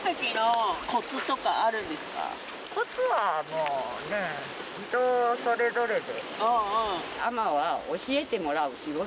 コツはもうね人それぞれで。